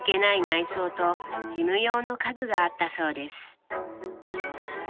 内装と事務用の家具があったそうです。